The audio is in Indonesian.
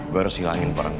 gue harus hilangin perang itu